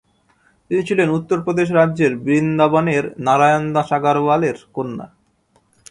তিনি ছিলেন উত্তরপ্রদেশ রাজ্যের বৃন্দাবনের নারায়ণদাস আগরওয়ালের কন্যা।